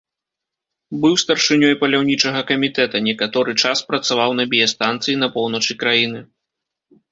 Быў старшынёй паляўнічага камітэта, некаторы час працаваў на біястанцыі на поўначы краіны.